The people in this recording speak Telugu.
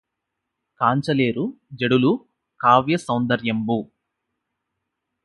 కాంచలేరు జడులు కావ్య సౌందర్యంబు